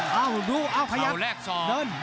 เหลือก๊ายซ่อน